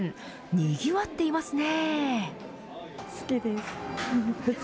にぎわっていますね。